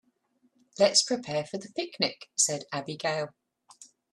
"Let's prepare for the picnic!", said Abigail.